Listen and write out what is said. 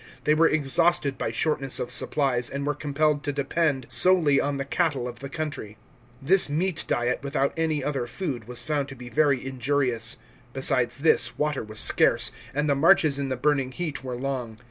They were exhausted by shortness of supplies, and were compelled to depend solely on the cattle of the country. This meat diet, without any other food, was found to be very injurious. Besides this, water was scarce, and the marches in the burning heat were long.